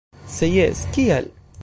Se jes, kial?